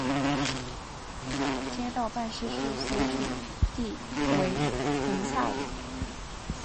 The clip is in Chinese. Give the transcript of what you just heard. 街道办事处所在地为棚下岭。